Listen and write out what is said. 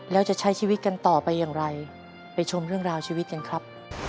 แล้วจะใช้ชีวิตกันต่อไปอย่างไรไปชมเรื่องราวชีวิตกันครับ